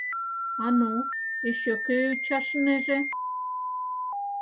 — А ну, эше кӧ ӱчашынеже?